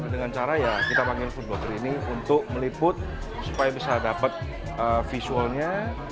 dengan cara ya kita panggil food dokter ini untuk meliput supaya bisa dapat visualnya